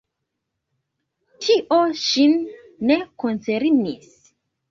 Tio ŝin ne koncernis.